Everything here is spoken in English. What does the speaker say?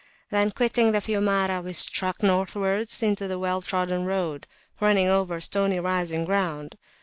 Then quitting the Fiumara, we struck Northwards into a well trodden road running over stony rising ground.